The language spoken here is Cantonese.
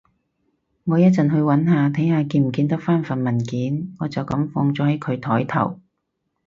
我一陣去搵下，睇下見唔見得返份文件，我就噉放咗喺佢枱頭